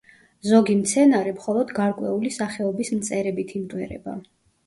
ზოგი მცენარე მხოლოდ გარკვეული სახეობის მწერებით იმტვერება.